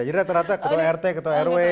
jadi ternyata ketua rt ketua rw gitu